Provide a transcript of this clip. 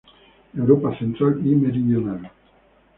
Europa central y meridional.